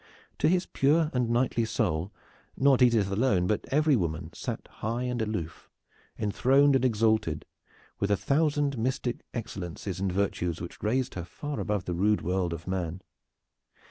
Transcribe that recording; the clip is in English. To his pure and knightly soul not Edith alone, but every woman, sat high and aloof, enthroned and exalted, with a thousand mystic excellencies and virtues which raised her far above the rude world of man.